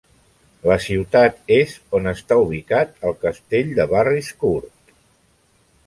La ciutat és on està ubicat el castell de Barryscourt.